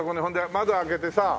窓開けてさ